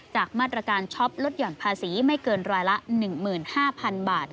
จากมาตรการช็อปลดหย่อนภาษีไม่เกินรายละ๑๕๐๐๐บาท